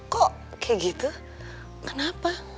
kok kayak gitu kenapa